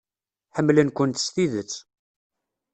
Ḥemmlen-kent s tidet.